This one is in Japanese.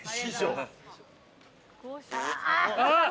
あっ！